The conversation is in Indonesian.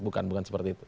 bukan bukan seperti itu